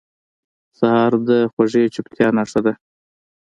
سهار د خوږې چوپتیا نښه ده.